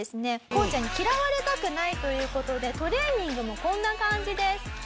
こうちゃんに嫌われたくないという事でトレーニングもこんな感じです。